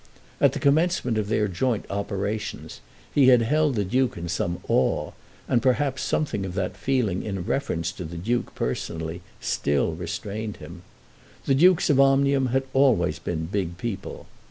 At the commencement of their joint operations he had held the Duke in some awe, and perhaps something of that feeling in reference to the Duke personally still restrained him. The Dukes of Omnium had always been big people.